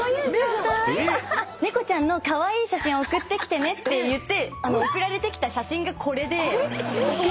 猫ちゃんのカワイイ写真送ってきてねっていって送られてきた写真がこれで。